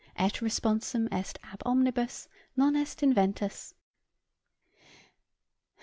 Et responsum est ab omnibus Non est inventus."